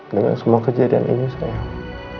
dengan semua kejadian ini sekarang